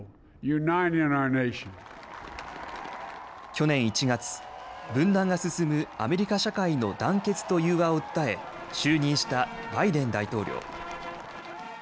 去年１月、分断が進むアメリカ社会の団結と融和を訴え就任したバイデン大統領。